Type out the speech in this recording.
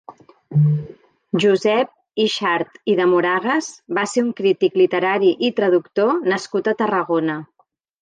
Josep Yxart i de Moragas va ser un crític literari i traductor nascut a Tarragona.